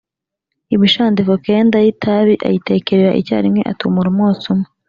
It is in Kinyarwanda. imishandiko kenda y’itabi ayitekerera icyarimwe, atumura umwotsi umwe